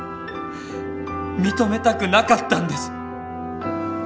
認めたくなかったんです！